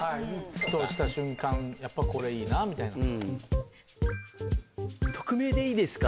ふとした瞬間やっぱこれいいなみたいな「匿名でいいですか？」